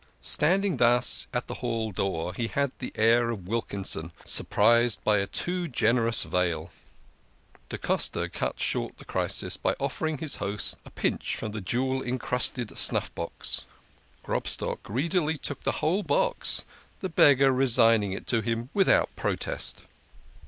Standing thus at the hall door, he had the air of Wilkin son, surprised by a too generous vail. Da Costa cut short the crisis by offering his host a pinch from the jewel crusted snuff box. Grobstock greedily took the whole box, the beggar resigning it to him without pro test.